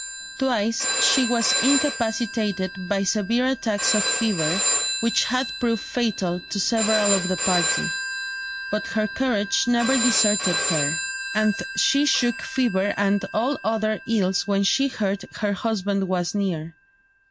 Twice she was incapacitated by severe attacks of fever, which had proved fatal to several of the party; but her courage never deserted her; and she shook off fever and all other ills when she heard her husband was near.